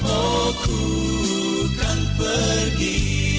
oh ku kan pergi